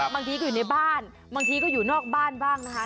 บางทีก็อยู่ในบ้านบางทีก็อยู่นอกบ้านบ้างนะคะ